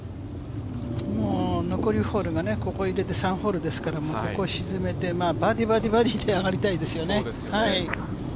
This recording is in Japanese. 残りホールがここ入れて３ホールですからここを沈めて、バーディー、バーディー、バーディーであがりたいですよね。